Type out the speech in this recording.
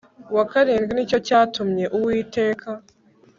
Wa karindwi ni cyo cyatumye uwiteka